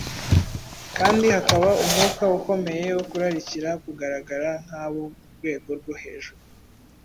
kandi hakaba umwuka ukomeye wo kurarikira kugaragara nk’abo mu rwego rwo hejuru;